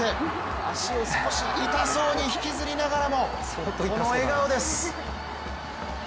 足を少し痛そうに引きずりながらもこの笑顔です。